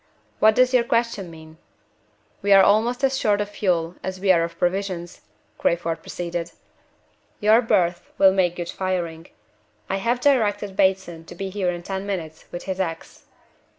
"What does your question mean?" "We are almost as short of fuel as we are of provisions," Crayford proceeded. "Your berth will make good firing. I have directed Bateson to be here in ten minutes with his ax."